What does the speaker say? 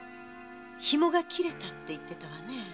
紐が切れたって言ってたわね？